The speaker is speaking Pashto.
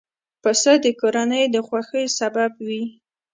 پسه د کورنیو د خوښیو سبب وي.